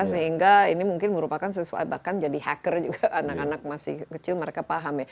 sehingga ini mungkin merupakan sesuatu bahkan jadi hacker juga anak anak masih kecil mereka paham ya